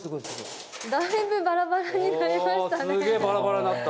だいぶバラバラになりましたね。